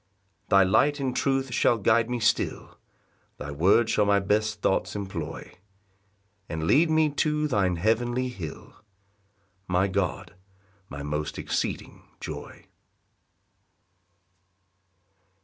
6 Thy light and truth shall guide me still, Thy word shall my best thoughts employ, And lead me to thine heavenly hill, My God, my most exceeding Joy.